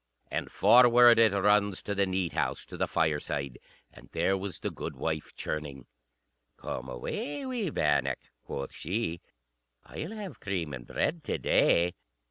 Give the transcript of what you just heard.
And forward it runs to the neat house, to the fireside; and there was the goodwife churning. "Come away, wee bannock," quoth she; "I'll have cream and bread to day."